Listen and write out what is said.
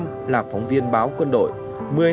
một năm là phóng viên báo công an vũ trang